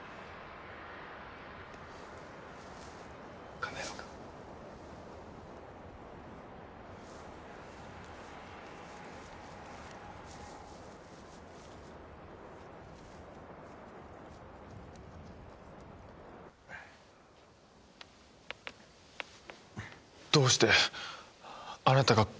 亀山君。どうしてあなたがここに？